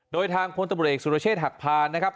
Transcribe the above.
โดยทางผลตะบดเอกสุรเชษฐ์หักผ่านนะครับ